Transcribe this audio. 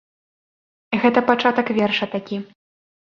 Гэта пачатак верша такі.